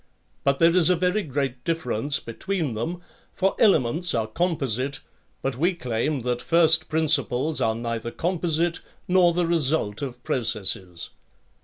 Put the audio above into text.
But there is a very great difference between them, for elements are composite, but we claim that first principles are neither composite nor the result of processes.